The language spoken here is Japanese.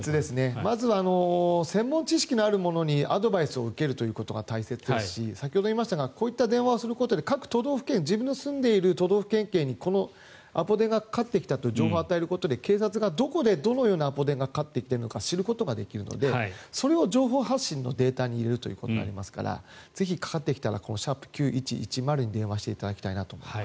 まずは専門知識のある者にアドバイスを受けることが大切ですし、先ほど言いましたがこういった電話をすることで各都道府県自分の住んでいる都道府県警にこのアポ電がかかってきたという情報を与えることで警察がどこにどのようなアポ電がかかってきているのか知ることができるのでそれを情報発信のデータに入れることができますからぜひかかってきたら「＃９１１０」に電話していただきたいと思います。